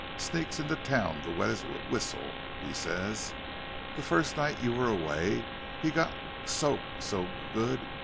Sneaks into town to wet his wh whistle, he says. The first night you were away, he g got soaked g good.